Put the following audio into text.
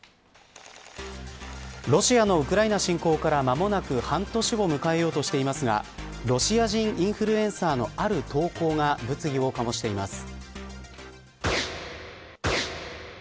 ロシアのウクライナ侵攻から間もなく半年を迎えようとしていますがロシア人インフルエンサーのある投稿が物議を醸しています。